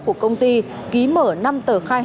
của công ty ký mở năm tờ khai hạng